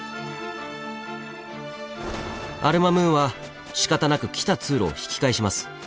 アル・マムーンはしかたなく来た通路を引き返します。